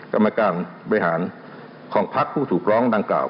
กรรมการบริหารของพักผู้ถูกร้องดังกล่าว